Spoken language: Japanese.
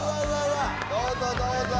どうぞどうぞ。